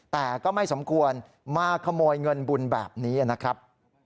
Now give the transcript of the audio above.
แต่ก็ไม่สมควรมาขโมยเงินบุญแบบนี้นะครับ